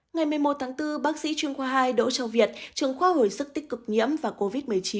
ngày một mươi một tháng bốn bác sĩ chuyên khoa hai đỗ trọng việt trường khoa hồi sức tích cực nhiễm và covid một mươi chín